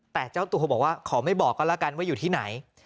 แต่เจ้าตัวบอกว่าขอไม่บอกก็แล้วกันว่าอยู่ที่ไหน